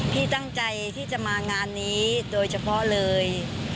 พี่ตั้งใจที่จะมางานนี้โดยเฉพาะเลย